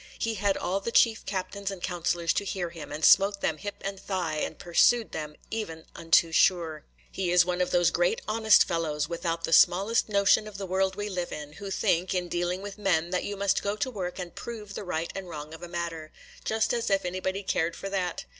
He had all the chief captains and counsellors to hear him, and smote them hip and thigh, and pursued them even unto Shur. 'He is one of those great, honest fellows, without the smallest notion of the world we live in, who think, in dealing with men, that you must go to work and prove the right and wrong of a matter; just as if anybody cared for that!